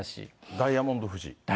ダイヤモンド富士。